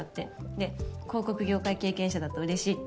で広告業界経験者だとうれしいって。